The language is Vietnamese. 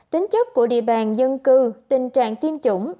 tính chất của địa bàn dân cư tình trạng tiêm chủng